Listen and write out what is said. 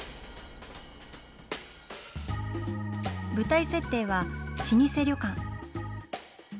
舞台設定は老舗旅館。